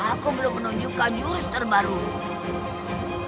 aku belum menunjukkan jurus terbaru